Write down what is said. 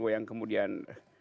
satu dua yang kemudian